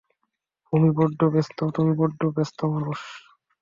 তুমি বড্ড ব্যস্ত মানুষ।